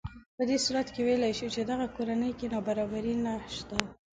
په دې صورت کې ویلی شو چې دغه کورنۍ کې نابرابري نهشته